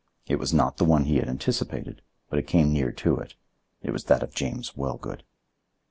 It was not the one he had anticipated, but it came near to it. It was that of James Wellgood.